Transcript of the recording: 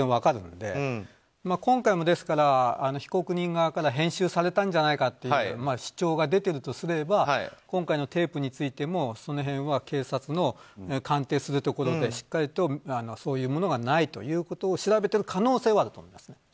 ですから今回も被告人側から編集されたんじゃないかと主張が出ているとすれば今回のテープについてもその辺は警察の鑑定するところでしっかりとそういうものがないということを調べている可能性はあると思います。